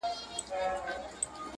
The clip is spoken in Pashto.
ما کله د رنګونو رڼا نه ده نغمه کړې